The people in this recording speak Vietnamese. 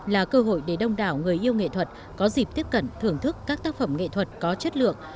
là cơ hội để đông đảo người yêu nghệ thuật có dịp tiếp cận thưởng thức các tác phẩm nghệ thuật có chất lượng